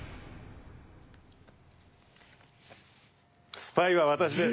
スパイは私です。